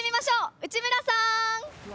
内村さん！